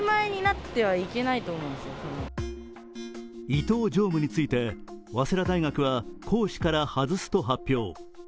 伊東常務について、早稲田大学は講師から外すと発表。